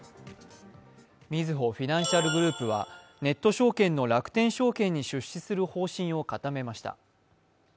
みずほフィナンシャルグループは、ネット証券の楽天証券に出資する方針を固めました。